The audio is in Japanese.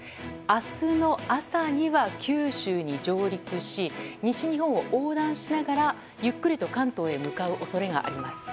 明日の朝には九州に上陸し西日本を横断しながらゆっくりと関東へ向かう恐れがあります。